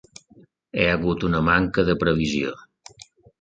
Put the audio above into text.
Hi ha hagut una manca de previsió.